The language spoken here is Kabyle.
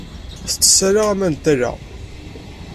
Tettess ala aman n tala.